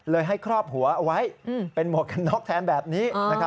ให้ครอบหัวเอาไว้เป็นหมวกกันน็อกแทนแบบนี้